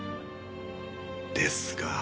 ですが。